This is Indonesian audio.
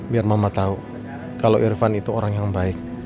biar mama tahu kalau irfan itu orang yang baik